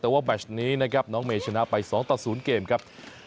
แต่ว่าแมชนี้นะครับน้องเมย์ชนะไป๒ต่อ๐เกมครับ